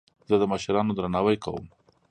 زه د مشرانو درناوی کوم.